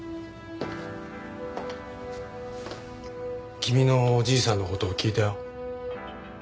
君のおじいさんの事を聞いたよ。